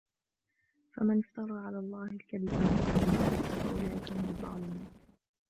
فَمَنِ افْتَرَى عَلَى اللَّهِ الْكَذِبَ مِنْ بَعْدِ ذَلِكَ فَأُولَئِكَ هُمُ الظَّالِمُونَ